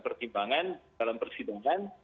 pertimbangan dalam persidangan